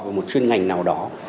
hay là một chuyên ngành nào đó